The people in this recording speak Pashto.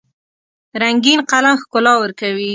رنګین قلم ښکلا ورکوي.